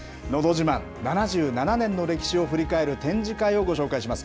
自慢７７年の歴史を振り返る展示会をご紹介します。